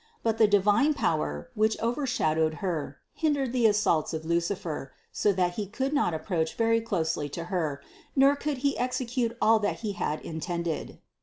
But the divine power, which overshadowed Her, hindered the assaults of Lucifer, so that he could not approach very closely to Her, nor could he execute all that he had in tended.